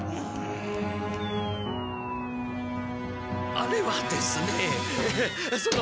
あれはですねその。